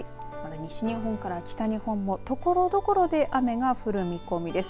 西日本から北日本も所々で雨が降る見込みです。